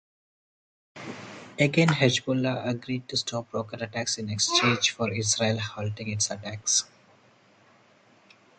Again, Hezbollah agreed to stop rocket attacks in exchange for Israel halting its attacks.